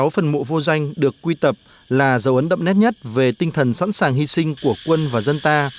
tám trăm chín mươi sáu phần mộ vô danh được quy tập là dấu ấn đậm nét nhất về tinh thần sẵn sàng hy sinh của quân và dân ta